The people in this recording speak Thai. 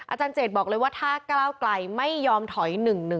อาจารย์เจดบอกเลยว่าถ้าก้าวไกลไม่ยอมถอย๑๑๒